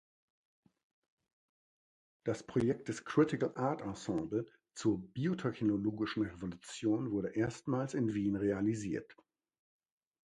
Das Projekt des Critical Art Ensemble zur “biotechnologischen Revolution” wurde erstmals in Wien realisiert.